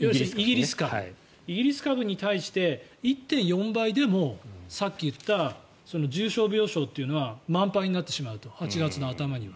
イギリス株に対して１．４倍でもさっき言った重症病床というのは満杯になってしまうと８月の頭には。